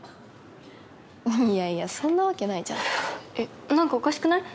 いやいやそんなわけないじゃんえっ何かおかしくない？